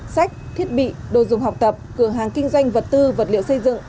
sách thiết bị đồ dùng học tập cửa hàng kinh doanh vật tư vật liệu xây dựng